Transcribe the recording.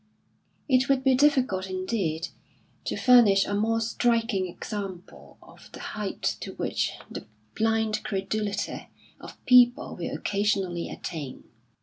It would be difficult indeed to furnish a more striking example of the height to which the blind credulity of people will occasionally attain.